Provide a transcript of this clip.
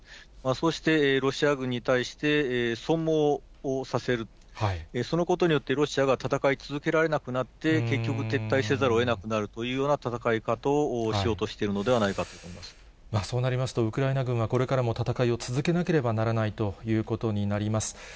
そしてロシア軍に対して損耗をさせる、そのことによってロシアが戦い続けられなくなって、結局撤退せざるをえなくなるというような戦い方をしようとしていそうなりますと、ウクライナ軍はこれからも戦いを続けなければならないということになります。